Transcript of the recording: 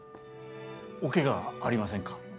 おケガはありませんか？